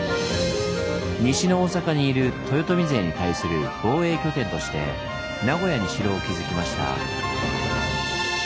西の大坂にいる豊臣勢に対する防衛拠点として名古屋に城を築きました。